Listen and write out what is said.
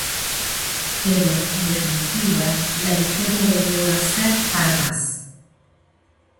Pero, en definitiva, la victoria volvió a ser para Paz.